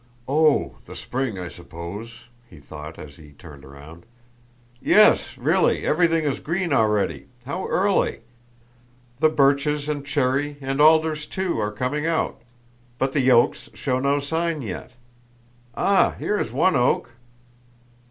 "Oh, the spring, I suppose," he thought as he turned round. "Yes, really everything is green already.... How early! The birches and cherry and alders too are coming out.... But the oaks show no sign yet. Ah, here is one oak!"